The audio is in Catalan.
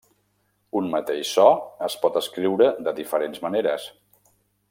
Un mateix so es pot escriure de diferents maneres.